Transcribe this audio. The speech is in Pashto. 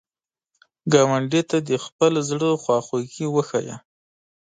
ګاونډي ته د خپل زړه خواخوږي وښایه